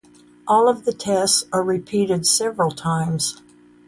All of the tests are repeated several times.